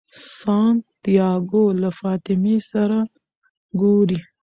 سانتیاګو له فاطمې سره ګوري.